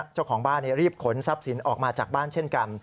เจ้าของบ้านรีบขนทรัพย์สินออกมาจากบ้านเช่นกัน